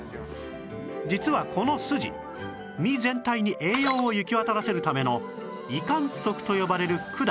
実はこのすじ実全体に栄養を行き渡らせるための維管束と呼ばれる管